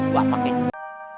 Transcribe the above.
buat pake juga